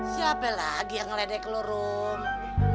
siapa lagi yang ngeledek lo rum